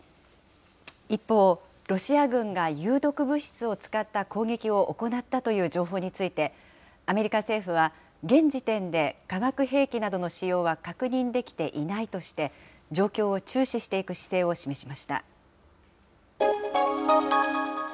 一方、ロシア軍が有毒物質を使った攻撃を行ったという情報について、アメリカ政府は現時点で、化学兵器などの使用は確認できていないとして、状況を注視していく姿勢を示しました。